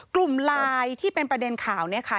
กลุ่มไลน์ที่เป็นประเด็นข่าวเนี่ยค่ะ